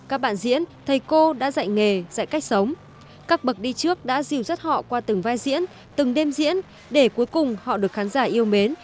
các bậc đi trước đã dìu dắt họ qua từng vai diễn từng đêm diễn để cuối cùng họ được khán giả yêu mến